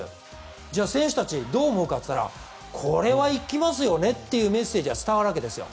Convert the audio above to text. じゃあ、選手たちはどう思うかと言ったらこれは行きますよね？っていうメッセージが伝わるんです。